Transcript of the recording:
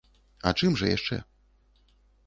А чым жа яшчэ?